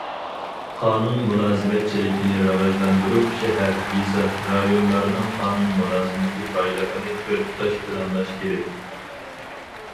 قانۇن مۇلازىمەتچىلىكىنى راۋاجلاندۇرۇپ، شەھەر، يېزا، رايونلارنىڭ قانۇن مۇلازىمىتى بايلىقىنى بىر تۇتاش پىلانلاش كېرەك.